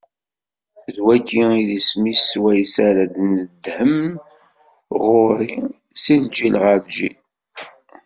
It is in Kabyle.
D wagi i d isem-iw swayes ara d-tneddhem ɣur-i, si lǧil ɣer lǧil.